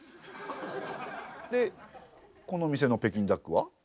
でこの店の北京ダックは？